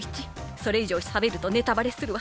それ以上しゃべるとネタバレするわ。